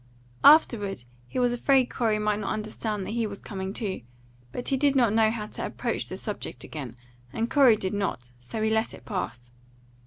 Afterward he was afraid Corey might not understand that he was coming too; but he did not know how to approach the subject again, and Corey did not, so he let it pass.